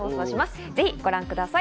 ぜひご覧ください。